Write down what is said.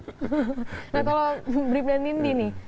nah kalau bribda nindi nih